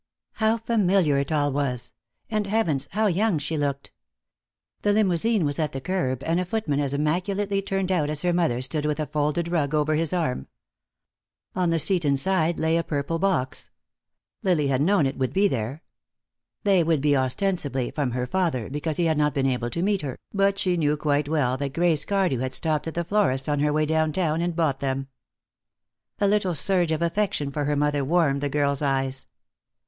How familiar it all was! And heavens, how young she looked! The limousine was at the curb, and a footman as immaculately turned out as her mother stood with a folded rug over his arm. On the seat inside lay a purple box. Lily had known it would be there. They would be ostensibly from her father, because he had not been able to meet her, but she knew quite well that Grace Cardew had stopped at the florist's on her way downtown and bought them. A little surge of affection for her mother warmed the girl's eyes.